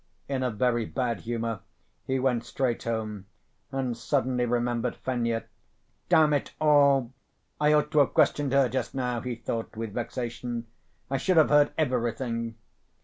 In a very bad humor he went straight home, and suddenly remembered Fenya. "Damn it all! I ought to have questioned her just now," he thought with vexation, "I should have heard everything."